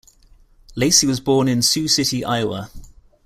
Lacy was born in Sioux City, Iowa.